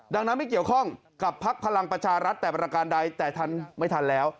ดังนั้นไม่เกี่ยวข้องกับพักพลังประชารัฐแต่ประการใดแต่ทันไม่ทันแล้ว